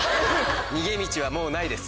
逃げ道はもうないです。